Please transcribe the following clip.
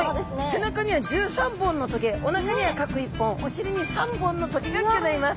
背中には１３本の棘おなかには各１本お尻に３本の棘がギョざいます。